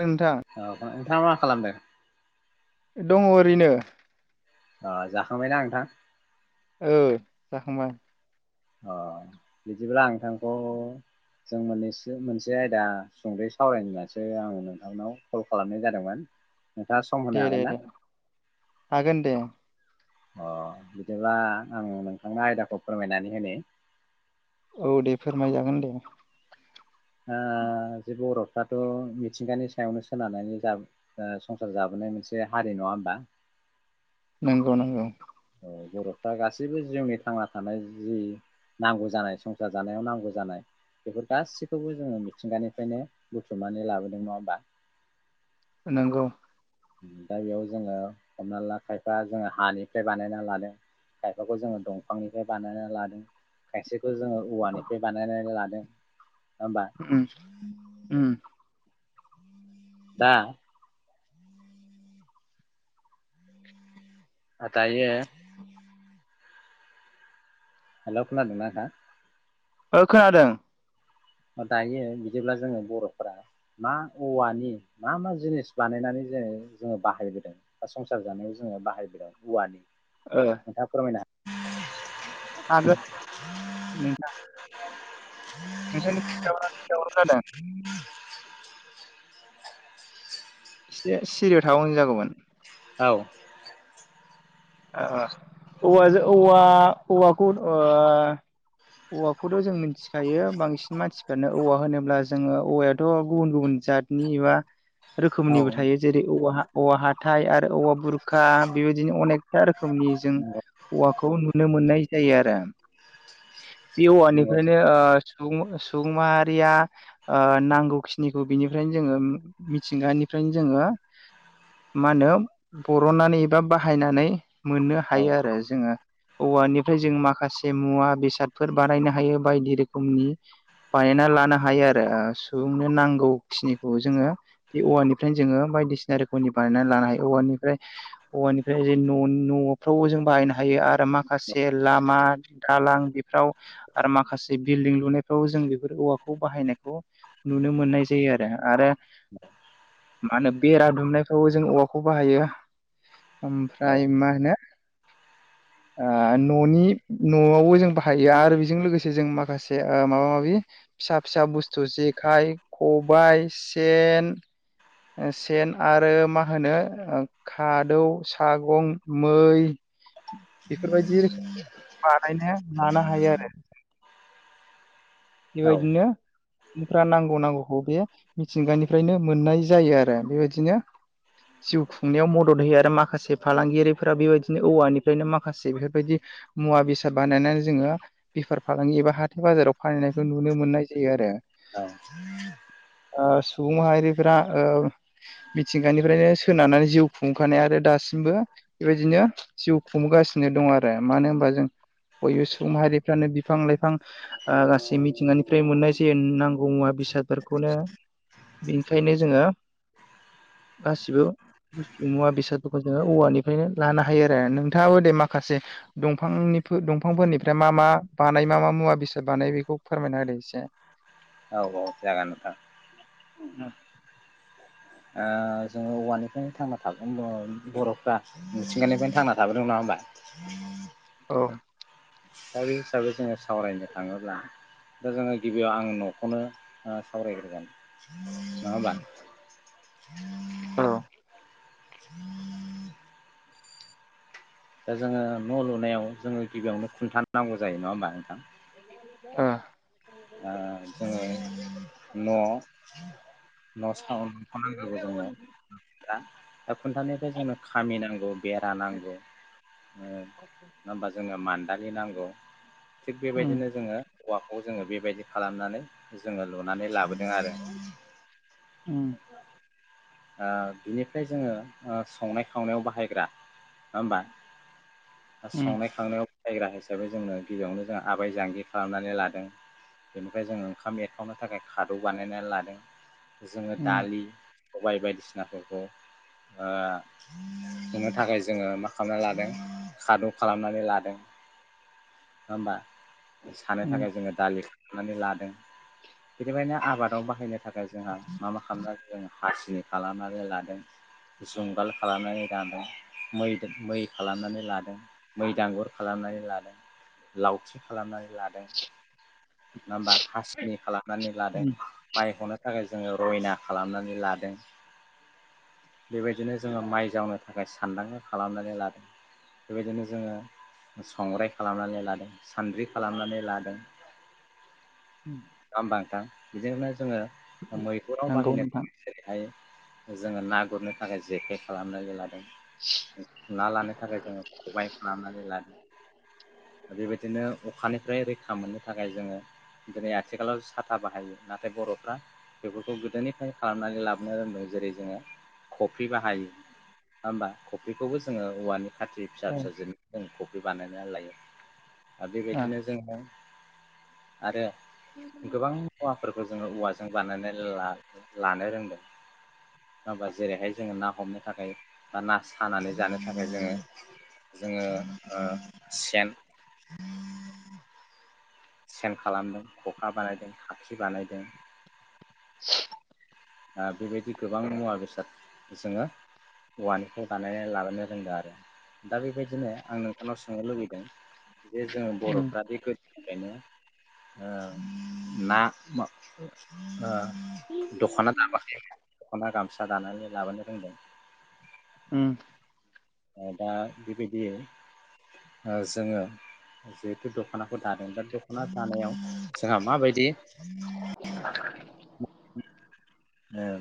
नोंथां औ। नोंथाङा मा खालामदों? दङ ओरैनो अ जाखांबायना नोंथां? ओ जाखांबाय। अ बिदिब्ला नोंथांखौ जों मोननैसो मोनसे आयदा सुंद'यै सावरायनानैसो आं नोंथांनाव कल खालामनाय जादोंमोन। नोंथाङा सम होनो दे दे हागोन ना दे हागोन दे। अ बिदिब्ला आं नोंथांनो आयदाखौ फोरमायनानै होनि औ दे फोरमायजागोन दे। आं जे बर'फ्राथ' मिथिंगानि सायावनो सोनारनानै संसार जाबोनाय मोनसे हारि नङा होमबा? नोंगौ नोंगौ। ओ बर'फ्रा गासैबो जिउनि थांना थानाय जि नांगौ जानाय संसार जानायाव नांगौ जानाय बेफोर गासैखौबो जोङो मिथिंगानिफ्रायनो बुथुमनानै लाबोदों नङा होमबा? नोंगौ। दा बेयाव जोङो हमना ला खायफा जोङो हानिफ्राय बानायना लादों खायफाखौ जोङो दंफांनिफ्राय बानायना लादों खायसे खौ जोङो औवानिफ्राय बानायनानै लादों। [inaudible] उम उम। दा दायो हेलौ खोनादों ना नोंथां? ओ खोनादों। दायो बिदिब्ला जोङो बर'फोरा मा औवानि मा मा जिनिस बानायनानै जोङो जोङो बाहायबोदों बा संसार जानायाव जोङो बाहायबोदों औवानि नोंथाङा फोरमाय हा आगोल नोंथां नोंखायनो [unintelligible] दावराव‌ जादों। [unintelligible] एसे सिरियाव थाबा मोजां जागौमोन। औ। ओ औवाजों औवा औखौ आ औवाखौथ' जों मिथिखायो बांसिन मानसिफोरानो औवा होनोब्ला जोङो औवायाथ' गुबुन गुबुन जातनि एबा औ रोखोमनिबो थायो जेरै औवा। औवा हाथाइ आरो औवा बुरखा बेबायदिनो अनेक आरो खोमनि जों औवाखौ नुनो मोननाय जायो आरो बे नंगौ औवानिफ्रायनो ओ सुबुं सुबुं माहारिया ओ नांगौखिनिखौ बिनिफ्रायनो जोङो मिथिंगानिफ्रायनो जोङो मा होनो बर'नानै एबा बाहायनानै मोननो औ हायो आरो जोङो औवानिफ्राय जों माखासे मुवा बेसादफोर बानायनो हायो बायदि रोखोमनि बानायना लानो हायो आरो ओ सुबुंनो नांगौ खिनिखौ जोङो बे औवानिफ्रायनो जोङो बायदिसिना रोखोमनि बानायना लानो हायो औवानिफ्राय औवानिफ्राय न'नि न'फ्रावबो जों बाहायनो हायो आरो माखासे लामा दालां बेफ्राव आरो माखासे बिल्डिं लुनायफ्राव जों बेफोर औवाखौ बाहायनायखौ नुनो मोननाय जायो आरो आरो मा होनो बेरा दुमनायफ्रावबो जों औवाखौ बाहायो ओमफ्राय मा ओ न'नि न'आवबो जों बाहायो आरो बेजों लोगोसे जों ओ माखासे माबा माबि फिसा फिसा बुस्थु जेखाइ खबाइ सेन सेन आरो मा होनो खादौ सागं मै बेफोरबायदि रोखोम बानायनो लानो हायो आरो औ बेबायदिनो फ्रा नांगौ नांगौखौ बे मिथिंगानिफ्रायनो मोननाय जायो आरो बेबायदिनो जिउ खुंनायाव मदद होयो आरो माखासे फालांगियारिफोरा बेबायदिनो औवानिफ्रायनो माखासे बेफोरबायदि मुवा बेसाद बानायनानै जोङो बेफार फालांगि एबा हाथाय बाजाराव फाननाय नुनो मोननाय जायो आरो ओ सुबुंमाहारिफ्रा ओ मिथिंगानिफ्रायनो सोनारनानै जिउ खुंखानाय आरो दासिमबो बेबायदिनो जिउ खुंगासिनो दङ आरो मानो होनबा जों बयबो सुबुं माहारिफ्रानो बिफां लाइफां ओ गासै मि निफ्राय मोननाय जायो नांगौ मुवा बेसादफोरखौनो बेनिखायनो जोङो गासिबो मुवा बेसादफोरखौ जोङो औवानिफ्रायनो लानो हायो आरो नोंथाङाबो दे माखासे दंफांनि दंफांफोरनिफ्राय मा मा बानाय मा मा मुवा बेसाद बानाय बेखौ फोरमायना होदो एसे औ औ जागोन नोंथां अ ओ जोङो औवानिफ्रायनो थांना [unintelligible] बर'फ्रा मिथिंगानिफ्रायनो थांना थाबोदों नङा होमबा अ दा बे हिसाबै जोङो सावरायनो थाङोब्ला दा जोङो गिबियाव आं न'खौनो ओ सावरायग्रोगोन नङा होमबा औ [inaudible] दा जोङो न' लुनायाव जोङो गिबियावनो खुन्था नांगौ जायो नङा होमबा नोंथां ओ ओ जोङो न' न' [unintelligible] नांग्रोगौ जोंनो दा खुन्थनिफ्राय जोंनो खामि नांगौ बेरा नांगौ नङा होमबा जोङो मान दानि नांगौ थिग उम बेबायदिनो जोङो औवाखौ जोङो बे बेबायदि खालामनानै जोङो लुनानै लाबोदों आरो उम ओ बिनिफ्राय जोङो ओ संनाय खावनायाव बाहायग्रा नङा होमबा आ उम संनाय खावनायाव बाहायग्रा हिसाबै जोंनो गिबियावनो जों आबाय जांगि खालामनानै लादों बेनिफ्राय जोङो ओंखाम एरखावनो थाखाय खादौ बानायनानै लादों जोङो उम दालि सबाय बायदिसिनाफोरखौ ओ नुनो थाखाय जोङो मा खालामना लादों खादब खालामनानै लादों हबा सानो उम थाखाय जोङो दालि लादों बेनिबायायनो आबादाव बाहायनो थाखाय जोंहा मा मा खालामनाय जों हासि खालामनानै लादों जुंगाल खालामनानै लादों मै मै खालामनानै लादों मै दांगुर खालामनानै लादों लावथि खालामनाय नङा हा हासिनि खालामनानै लादों उम माइखौनो थाखाय जोङो रयना खालामनानै लादों बेबायदिनो जोङो माइ जावनो थाखाय सान्दांखा खालामनानै लादों बेबायदिनो जोङो संग्राय खालामनानै ला लादों सानद्रि खालामनानै लादों उम दाम बांथाम बेजोंनो जोङो मैहुराव नंगौ बाहायनो नोंथां जेरैहाय जोङो ना गुरनो थाखाय जेखाइ खालामनानै लादों ना लानो थाखाय जोङो खबबाय खालामनानै लादों बेबायदिनो अखानिफ्राय रैखा मोननो थाखाय जोङो दिनै आथिं आथिखालाव साथा बाहायो नाथाय बर'फ्रा बेफोरखौ गोदोनिफ्रायनो खालामनानै लाबोनो रोंदों जेरै जोङो खफ्रि बाहायो नङा होमबा खफ्रिखौबो जोङो औवानि खााख्रि फिसा ओ फिसाजों दंख बे बानायनानै लायो आदि ओ बदिनो जोा आरो गोबां न फोरफोरखौ जोङो औवाजों बानायनानै लानो रोंदों हङबा जेरैहाय जोङो ना हमनो थाखाय बा ना सानानै जानो थाखाय जोङो जोङो सेन सेन खालामदों खखा बानायदों खाखि बानायदों बेबायदि गोबां मुवा बेसाद जोङो औवानिखौ बानायनानै लाबोनो रोंदों आरो दा बेबायदिनो आं नोंथांनाव सोंनो लुबैदों बेे जोङो उम बर'फ्रा बे बेओंखायनो ना म दखाना दख'ना गामसा दानानै लाबोनो रोंदों उम दा बेबायदियै जोङो जिहेथु दख'नाखौ दादों दा दख'ना दानायाव जोंहा माबायदि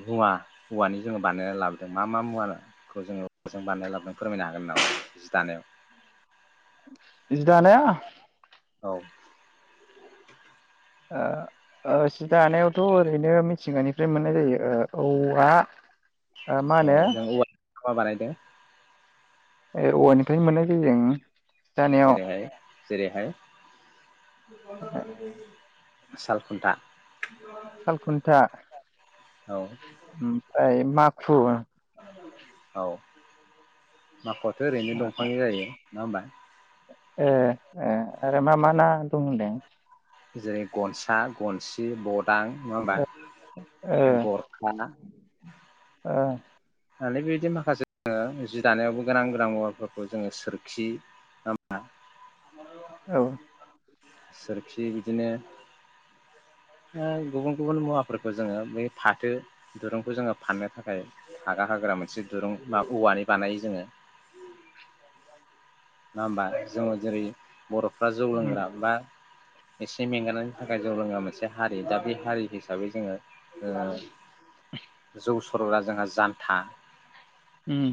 हौवा हौवानि जोङो बानायना लाबोदों मा मा मुवाखौ जोङो हवाजों बानायना लाबोदों फोरमायनो हागोन नामा जि दानायाव इदि दानायया औ आ सि दाानायावथ' ओरैनो मिथिंगानिफ्राय मोननाय जायो ओ औवआ मान माबा बानायदों ए औवानिफ्राय मोननाय जायो जों दानायाव जेरैहाय जेरैहाय बे ब साल खुन्था सालखुन्था औ ओमफ्राय माखु औ माखआथ' ओरैनो दंफां जायो ना होनोमबा ए ए आरो मा मा ना दं होनदों जेरै गनसा गनसि बट दां नङाबा ओ गरखा [unintelligible] [unintelligible] आरो बेबायदि माखासे जोङ जि दानायावबो गोनां गोनां मुवाफोरखौ जोङो सोरखि मा औ सोरखि बिदिनो गुबुन गुबुन मुवाफोरखौ जोङो बै फाथो दुरुंखौ जोङो फाननो थाखाय हाग्रा हाग्रा मोनसे दुरुं बा औवानि बानायो जोङो नङा होमबा जोङो जेरै बर'फ्रा जौ उम लोंग्रा बा एसे मेंगानायनि थाखाय जौ रोङा मोनसे हारि दा बे हारि हिसाबै जोङो ज खर जोंहा जानथा उम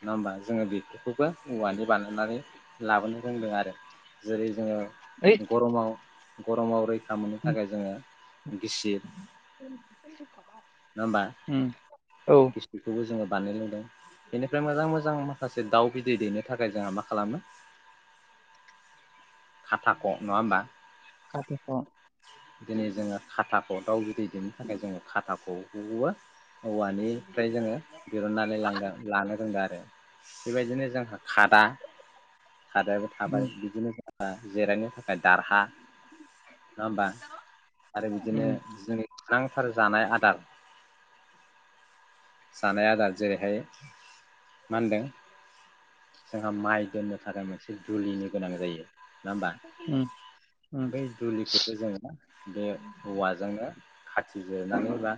नङा होमबा जोङो बेफोरखौबो औवानो बानायनानै लाबोनो रोंदों आरो जेरै जोङो ओइ गरमाव गरमावरै मोननो थाखाय जोङो गिसिर उ नङा होमबा औ गिस्ट्रिकखौबो जोङो बानाय लुदों बेनिफ्राय मोजां मोजां माखासे दाउ बिदै दैनो थाखाय जोंहा मा खालामो खाथाखौ नङा होमबा स दिनै जोङो खाथाखौ दाउ जुदै देनो थाखाय जोङो खाथाखौबो औवानिफ्राय जोङो दहुननानै लां लानो रोंदों आरो आरो बेबायदिनो जोंहा खादा थादारबो थाबाय उम बिदिनो जिरायनो थाखाय दारहा नङा होमबा आरो बिदिनो उम गोनांथार जानाय आदार जानाय आदार जेरैहाय मा होनदों जोंहा माइ दोननो थादोंमोन एसे दुलिनो गोनां जायो नङा होमबा उम उम बै दुलिखौबो जोङो बे औवाजोंनो खाथि जोनानै बा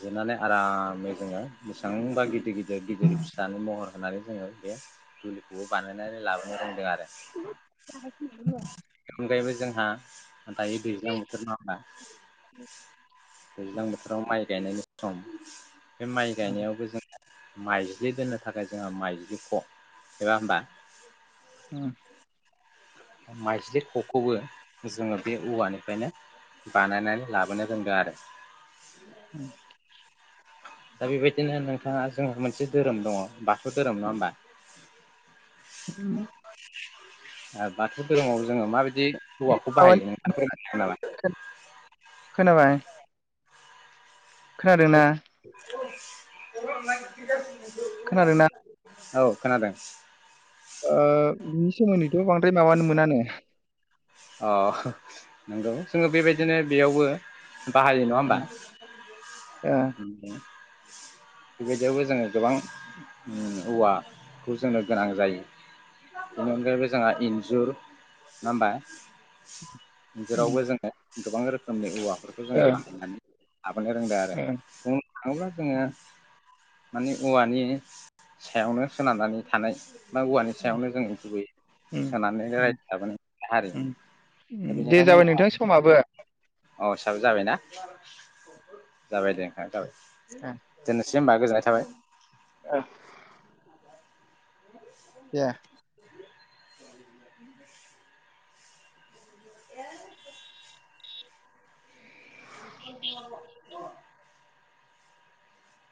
जोनानै आरामै जोङो बेसेबांबा गिदिर गिदिर गिदिर फिथानो महर होनानै जोङो बे दुलिखौबो बानायनानै लाबोनो रोंदों आरो बेनि अनगायैबो [unintelligible] जोंहा दायो दैज्लां बोथोर नङा दैज्लां बोथोराव माइ गेन सम बे माइ उम गायनायावबो जों माइज्लि दोननो थाखाय जोङो माइज्लिखौ एबा होनबा औ माइज्लि खखौबो जोङो बे औवानिफ्रायनो बानायनानै लाबोनो रोंदों आरो औ दा बेबायदिनो नोंथाङा जोंहा मोनसे धोरोम दङ बाथौ धोरोम नङा होमबा उम आ बाथौ धोरोमाव जोङो माबायदि हौवाखौ बाहायो नोंथां [unintelligible] खोनाबाय खोनादोंना ग खोनादोंना औ खोनादों बिनि सोमोन्दैथ' बांद्राय माबानो मोनानो अ नंगौ जोङो बेबायदिनो बेयावबो बाहायो नङा ओ होमबा ओ बेबायदियावबो जोङो गोबां औवाखौ जोंनो गोनां जायो बेनि अनगायैबो जोंहा इन्जुर नङा होमबा उम जेरावबो जोङो गोबां रोखोमनि औवाफोरखौ जोङो ओ बाहायनानै लाबोनो रोंदों आरो ओ उम बुंनो थाङोब्ला जोङो माने औवानि सायावनो सोनारनानै थानाय मा औवानि सायावनो जों गुबै उम सोनानै उम रायजो जबोनाय हारि उम दे जाबाय नोंथां समाबो औ साबो जाबायना जाबाय दे ओंख जाबाय। जे एसे होमबा गोजोननाय थाबाय। आ दे [unintelligible] ब [unintelligible]